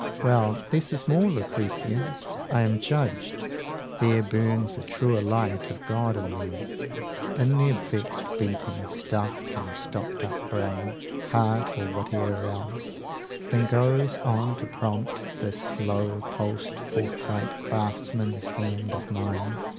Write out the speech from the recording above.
Well, less is more, Lucrezia: I am judged. There burns a truer light of God in them, In their vexed beating stuffed and stopped up brain, 80 Heart, or whate'er else, than goes on to prompt This low pulsed forthright craftsman's hand of mine.